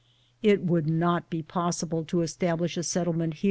It would not be possible to establish a settlement